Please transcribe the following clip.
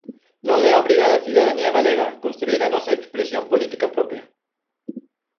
Non é a obriga da cidadanía galega construír a nosa expresión política propia?